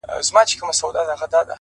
راسه د زړه د سکون غيږي ته مي ځان وسپاره”